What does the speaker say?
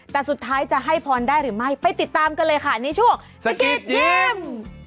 แต่สุดท้ายจะให้พรได้หรือไม่ไปติดตามกันเลยค่ะในช่วงสกิดยิ้ม